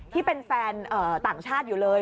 ที่เป็นแฟนต่างชาติอยู่เลย